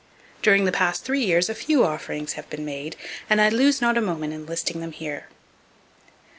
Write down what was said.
During the past three years a few offerings have been made, and I lose not a moment in listing them here.